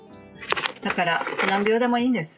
だから、何秒でもいいんです。